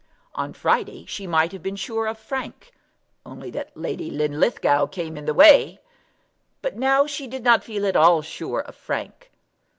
On Friday she might have been sure of Frank, only that Lady Linlithgow came in the way. But now she did not feel at all sure of Frank.